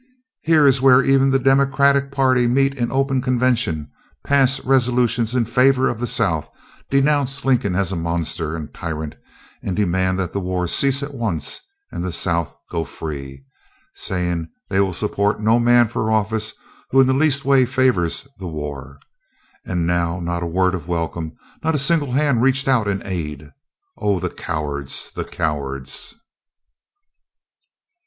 Here is where even the Democratic party meet in open convention, pass resolutions in favor of the South, denounce Lincoln as a monster and tyrant, and demand that the war cease at once and the South go free, saying they will support no man for office who in the least way favors the war. And now not a word of welcome, not a single hand reached out in aid. Oh! the cowards! the cowards!"